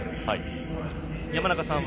山中さんは？